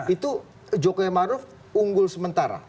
itu jokowi maruf unggul sementara